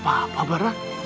tidak ada apa apa barat